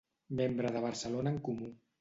Membre de Barcelona en Comú.